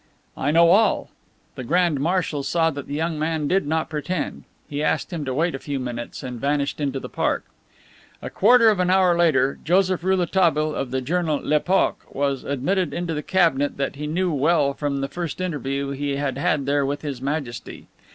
"I know all." The Grand Marshal saw that the young man did not pretend. He asked him to wait a few minutes, and vanished into the park. A quarter of an hour later, Joseph Rouletabille, of the journal "L'Epoque," was admitted into the cabinet that he knew well from the first interview he had had there with His Majesty.